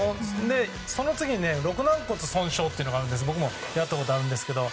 その次に肋軟骨損傷というのがあって僕もやったことあるんですけど。